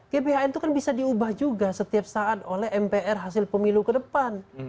gbhn itu kan bisa diubah juga setiap saat oleh mpr hasil pemilu ke depan